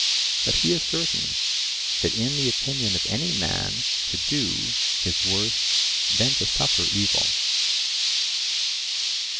But he is certain that in the opinion of any man to do is worse than to suffer evil.